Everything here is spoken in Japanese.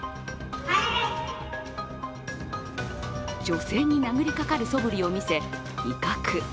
女性に殴りかかるそぶりを見せ、威嚇。